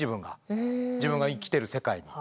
自分が生きてる世界に。